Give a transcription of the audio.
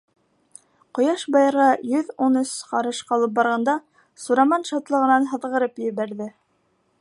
Ҡояш байырға йөҙ ун өс ҡарыш ҡалып барганда Сураман шатлығынан һыҙғырып ебәрҙе.